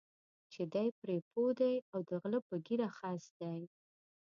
چې دی پرې پوه دی او د غله په ږیره خس دی.